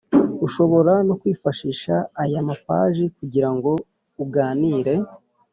Ushobora no kwifashisha aya mapaji kugira ngo uganire